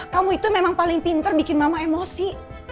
kamu itu memang paling pinter bikin mama emosi